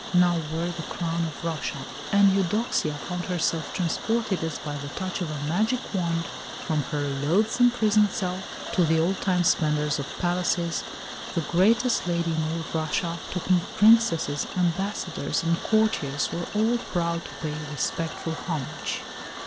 now wore the crown of Russia; and Eudoxia found herself transported, as by the touch of a magic wand, from her loathsome prison cell to the old time splendours of palaces the greatest lady in all Russia, to whom Princesses, ambassadors, and courtiers were all proud to pay respectful homage.